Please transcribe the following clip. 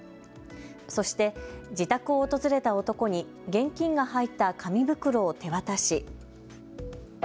そして自宅を訪れた男に現金が入った紙袋を手渡し。